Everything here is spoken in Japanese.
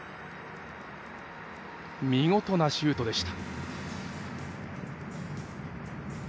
見事なシュートでした。